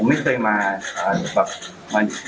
ผมไม่เคยมาอ่าแบบ